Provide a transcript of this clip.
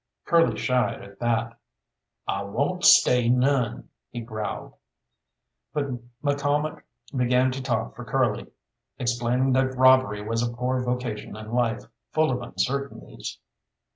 Curly shied at that. "I won't stay none!" he growled. But McCalmont began to talk for Curly, explaining that robbery was a poor vocation in life, full of uncertainties.